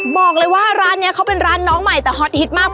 บอกเลยว่าร้านนี้เขาเป็นร้านน้องใหม่แต่ฮอตฮิตมาก